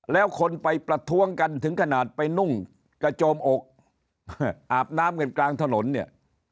แล้วคนไปประท้วงกันถึงขนาดไปนุ่งกระโจมอกอาบน้ำกันกลางถนนเนี่ย